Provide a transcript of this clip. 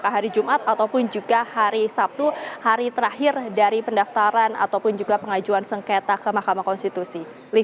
jadi kita akan mencari jika ada yang menunjukkan ke mahkamah konstitusi